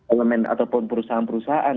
elemen ataupun perusahaan perusahaan